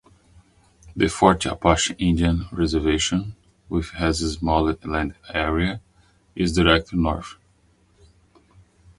The Fort Apache Indian Reservation, which has a smaller land area, is directly north.